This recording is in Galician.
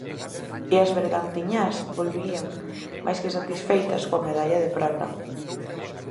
E as bergantiñás volvían máis que satisfeitas coa medalla de prata.